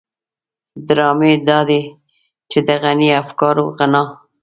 ډرامې دادي چې د غني د افکارو غنا.